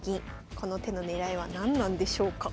この手の狙いは何なんでしょうか。